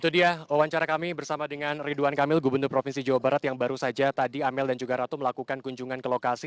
itu dia wawancara kami bersama dengan ridwan kamil gubernur provinsi jawa barat yang baru saja tadi amel dan juga ratu melakukan kunjungan ke lokasi